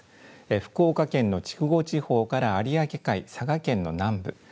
福岡県の筑穂地方から有明海佐賀県の南部。